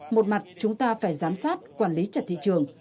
một mặt chúng ta phải giám sát quản lý chặt thị trường